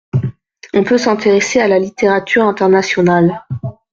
On peut s’intéresser à la littérature internationale.